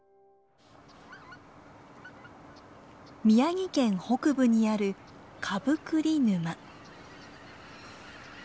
宮城県北部にある蕪栗沼。